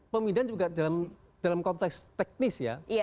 pemindahan juga dalam konteks teknis ya